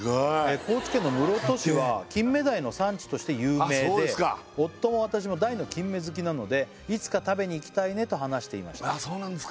高知県の室戸市はキンメダイの産地として有名で夫も私も大のキンメ好きなのでいつか食べに行きたいねと話していましたそうなんですか